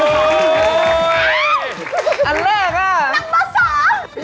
อันเลิกค่ะนังมือ๒